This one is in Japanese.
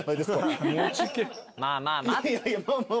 まあまあまあ。